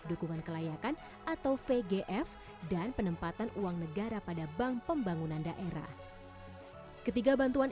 dukungan kelayakan atau vgf dan penempatan uang negara pada bank pembangunan daerah ketiga bantuan